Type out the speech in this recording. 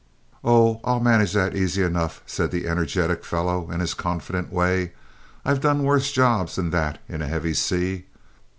"Oh, I'll manage that easy enough," said the energetic fellow in his confident way. "I've done worse jobs than that in a heavy sea.